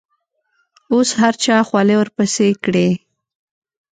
اوس هر چا خولې ورپسې کړي.